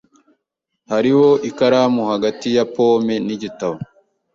Hariho ikaramu hagati ya pome nigitabo.